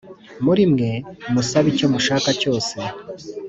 muri mwe musabe icyo mushaka cyose